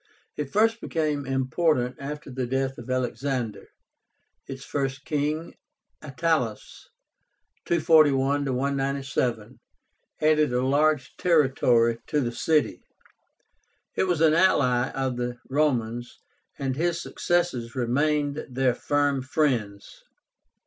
It first became important after the death of Alexander. Its first king, Attalus I. (241 197), added a large territory to the city. He was an ally of the Romans, and his successors remained their firm friends.